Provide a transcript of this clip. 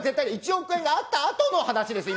１億円があったあとの話です